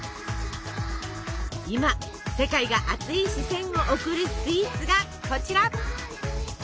今世界が熱い視線を送るスイーツがこちら！